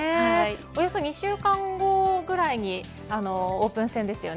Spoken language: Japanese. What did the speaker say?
およそ２週間後くらいにオープン戦ですよね。